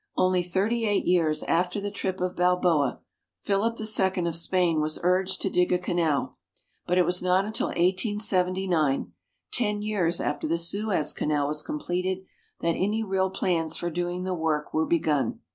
Only thirty eight years after the trip of Balboa, Philip II of Spain was urged to dig a canal, but it was not until 1879, ten years after the Suez Canal was completed, that any real plans for doing the work were begun.